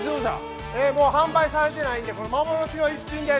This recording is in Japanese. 販売されていないんで、幻の逸品です。